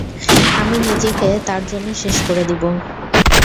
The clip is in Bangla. আমি নিজেকে তার জন্য শেষ করে দিবো!